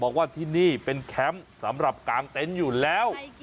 บอกว่าที่นี่เป็นแคมป์สำหรับกางเต็นต์อยู่แล้ว